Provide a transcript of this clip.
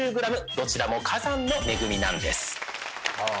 どちらも火山の恵みなんですはあ